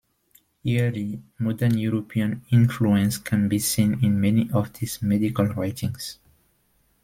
Early modern European influence can be seen in many of these medical writings.